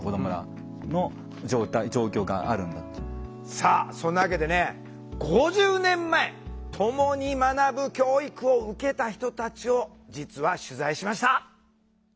さあそんなわけでね５０年前ともに学ぶ教育を受けた人たちを実は取材しました。